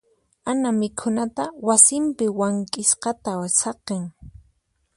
Ana mikhunata wasinpi wank'isqata saqin.